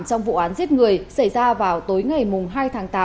trong vụ án giết người xảy ra vào tối ngày hai tháng tám